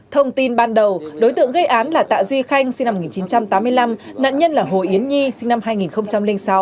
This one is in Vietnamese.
thông tin ban đầu đối tượng gây án là tạ duy khanh sinh năm một nghìn chín trăm tám mươi năm nạn nhân là hồ yến nhi sinh năm hai nghìn sáu